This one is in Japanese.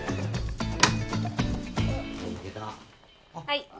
はい。